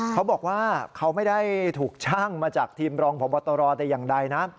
เขาบอกว่าเขาไม่ได้ถูกช่างมาจากทีมรองพบตรแต่อย่างใดนะ